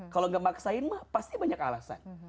kalau gak maksain mah pasti banyak alasan